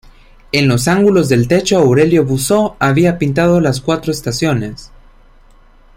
En los ángulos del techo Aurelio Busso había pintado Las cuatro estaciones.